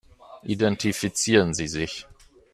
Identifizieren Sie sich.